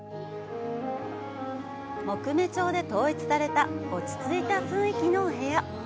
木目調で統一された落ちついた雰囲気のお部屋。